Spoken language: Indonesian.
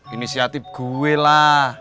inisiatif gue lah